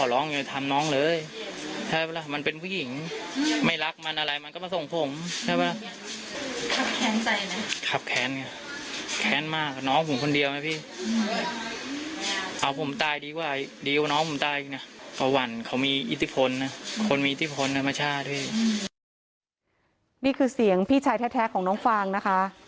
เล็กที่เวี๋ยงพูดชายให้กับน้องฟังนะ